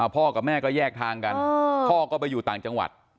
พ่อกับแม่ก็แยกทางกันพ่อก็ไปอยู่ต่างจังหวัด